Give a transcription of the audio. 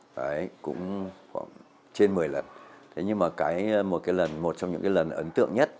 đấy cũng khoảng trên một mươi lần thế nhưng mà cái một cái lần một trong những cái lần ấn tượng nhất